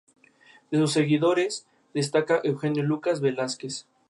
De sus seguidores, destaca Eugenio Lucas Velázquez.